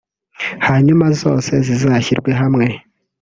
hanyuma zose zizashyirwe hamwe